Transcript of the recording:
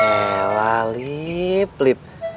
eh lah liv